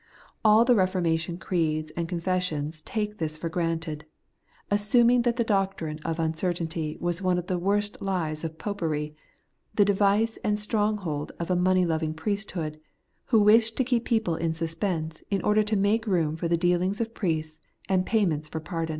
AU the Eeformation creeds and confessions take this for granted ; assuming that the doctrine of un certainty was one of the worst lies of Popery,^ the device and stronghold of a money loving priesthood, who wished to keep people in suspense in order to make room for the dealings of priests and payments for pardon.